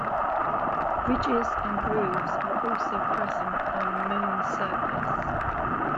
Ridges and grooves are also present on moon's surface.